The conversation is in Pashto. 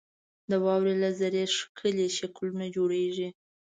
• د واورې له ذرې ښکلي شکلونه جوړېږي.